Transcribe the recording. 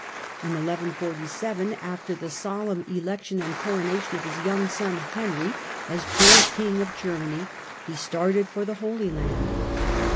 In 1147, after the solemn election and coronation of his young son Henry as joint king of Germany, he started for the Holy Land.